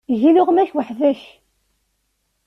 Eg iluɣma-k weḥd-k.